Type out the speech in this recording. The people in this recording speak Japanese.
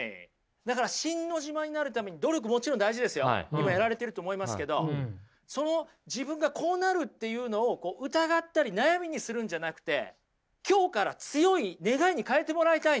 今やられていると思いますけどその自分がこうなるっていうのを疑ったり悩みにするんじゃなくて今日から強い願いに変えてもらいたいんですよ。